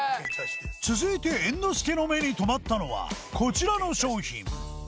続いて猿之助の目に留まったのはこちらの商品